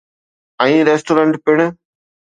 ۽ Restaurant پڻ.